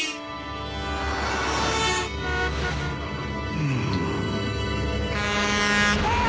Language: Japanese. うん。